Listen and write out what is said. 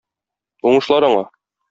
Уңышлар аңа!